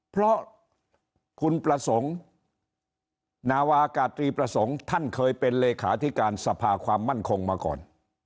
เพราะคุณประสงค์นาวากาตรีประสงค์ท่านเคยเป็นเลขาธิการสภาความมั่นคงมาก่อน